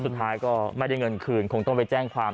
กลับมาพร้อมขอบความ